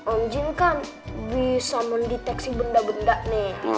om jin kan bisa mendeteksi benda benda nih